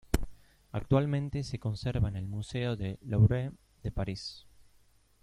Actualmente se conserva en el Museo del Louvre de París.